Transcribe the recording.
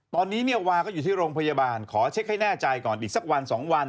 ตอนนี้เนี่ยวาก็อยู่ที่โรงพยาบาลขอเช็คให้แน่ใจก่อนอีกสักวัน๒วัน